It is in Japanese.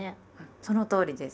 そのとおりです。